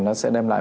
nó sẽ đem lại